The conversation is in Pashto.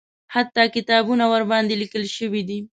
حتی کتابونه ورباندې لیکل شوي دي.